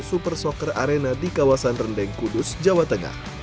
super soccer arena di kawasan rendeng kudus jawa tengah